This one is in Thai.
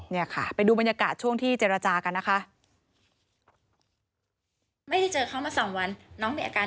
เนี่ยค่ะไปดูบรรยากาศช่วงที่เจรจากันนะคะ